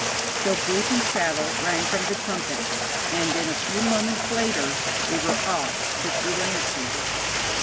So 'boot and saddle' rang from the trumpets, and in a few moments later we were off, fifty lances.